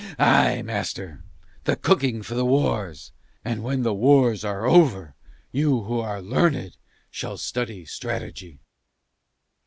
Aye, master, the cooking for the wars; and when the wars are over you who are learned shall study strategy."